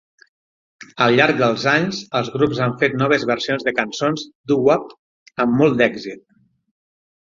Al llarg dels anys, els grups han fet noves versions de cançons doo-wop amb molt d'èxit.